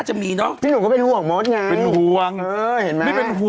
เห็นมั้ยถูก